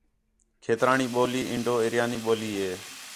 کھیترانی ٻولی اِنڈو آریانی ٻولی ہے